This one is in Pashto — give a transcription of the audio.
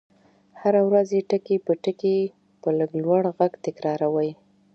هره ورځ يې ټکي په ټکي په لږ لوړ غږ تکراروئ.